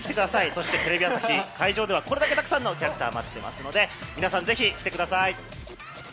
そして会場ではこれだけたくさんのキャラクターが待っていますので皆さん、ぜひ来てください！